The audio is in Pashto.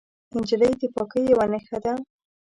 نجلۍ د پاکۍ یوه نښه ده.